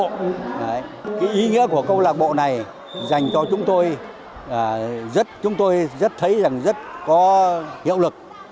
cái ý nghĩa của câu lạc bộ này dành cho chúng tôi chúng tôi rất thấy rằng rất có hiệu lực